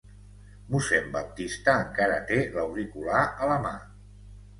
Mossèn Baptista encara té l'auricular a la mà.